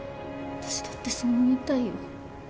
私だってそう思いたいよ。